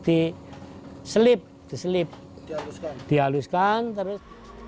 diselip diselip dihaluskan terus